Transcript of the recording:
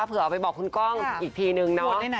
เผื่อเอาไปบอกคุณกล้องอีกทีนึงเนาะ